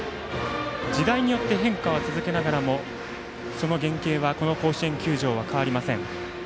時代によって変化を続けながらもその原型はこの甲子園球場は変わりません。